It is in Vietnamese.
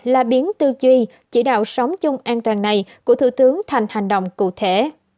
là biến tư duy chỉ đạo sống chung an toàn này của thủ tướng thành hành động cụ thể